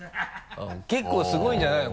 結構すごいんじゃないの？